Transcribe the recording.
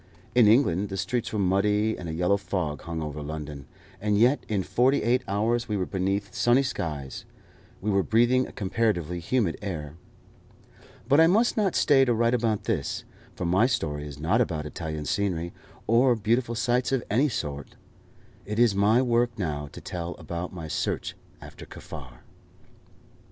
In England the streets were muddy, and a yellow fog hung over London, and yet in forty eight hours we were beneath sunny skies, we were breathing a comparatively humid air. But I must not stay to write about this, for my story is not about Italian scenery, or beautiful sights of any sort. It is my work now to tell about my search after Kaffar.